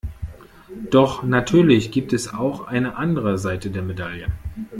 Doch natürlich gibt es auch eine andere Seite der Medaille.